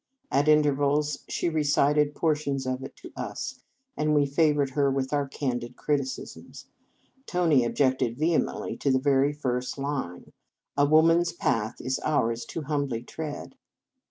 At inter vals she recited portions of it to us, and we favoured her with our candid criticisms. Tony objected vehemently to the very first line: " A woman s path is ours to humbly tread."